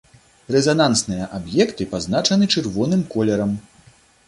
Рэзанансныя аб'екты пазначаны чырвоным колерам.